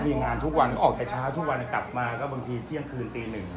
มีงานทุกวันออกแต่เช้าทุกวันกลับมาก็บางทีเที่ยงคืนตีหนึ่ง